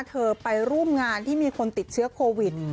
เธอไปร่วมงานที่มีคนติดเชื้อโควิด